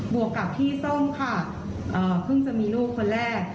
วกกับพี่ส้มค่ะเพิ่งจะมีลูกคนแรก